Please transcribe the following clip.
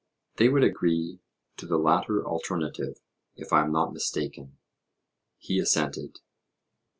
they would agree to the latter alternative, if I am not mistaken? He assented.